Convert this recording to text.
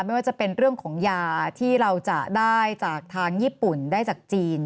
ไม่ว่าจะเป็นเรื่องของยาที่เราจะได้จากทางญี่ปุ่นได้จากจีน